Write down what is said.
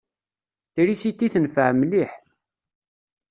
Trisiti tenfeɛ mliḥ.